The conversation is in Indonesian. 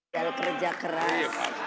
jal kerja keras